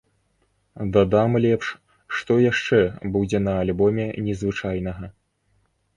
Дадам лепш, што яшчэ будзе на альбоме незвычайнага.